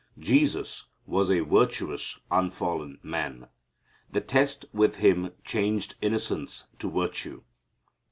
Jesus was a virtuous unfallen man. The test with Him changed innocence to virtue.